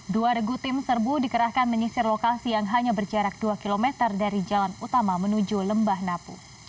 dua regu tim serbu dikerahkan menyisir lokasi yang hanya berjarak dua km dari jalan utama menuju lembah napu